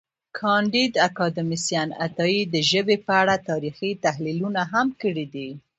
کانديد اکاډميسن عطایي د ژبې په اړه تاریخي تحلیلونه هم کړي دي.